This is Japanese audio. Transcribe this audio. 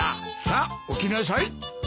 さあ起きなさい。